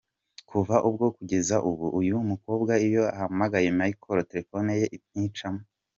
Kuva ubwo kugeza ubu uyu mukobwa iyo ahamagaye Michel telefoni ye nticamo.